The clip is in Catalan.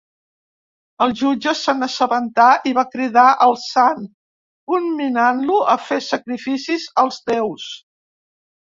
El jutge se n'assabentà i va cridar el sant, comminant-lo a fer sacrificis als déus.